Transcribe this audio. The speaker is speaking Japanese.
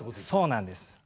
そうなんです。